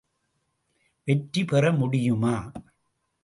வெற்றி பெற முடியுமா?